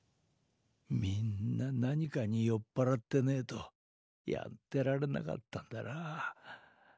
みんな何かに酔っ払ってねぇとやってられなかったんだな。